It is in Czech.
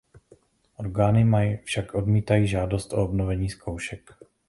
Orgány však odmítají žádost o obnovení zkoušek.